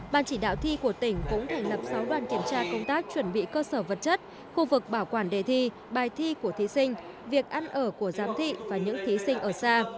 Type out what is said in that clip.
ban chỉ đạo thi của tỉnh cũng thành lập sáu đoàn kiểm tra công tác chuẩn bị cơ sở vật chất khu vực bảo quản đề thi bài thi của thí sinh việc ăn ở của giám thị và những thí sinh ở xa